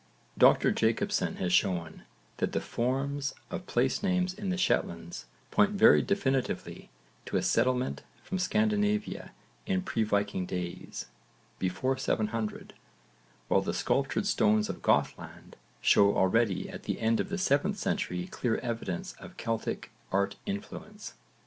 Dr Jakobsen has shown that the forms of place names in the Shetlands point very definitely to a settlement from Scandinavia in pre Viking days before 700 while the sculptured stones of Gothland show already at the end of the 7th century clear evidence of Celtic art influence.